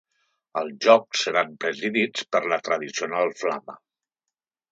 Els jocs seran presidits per la tradicional flama.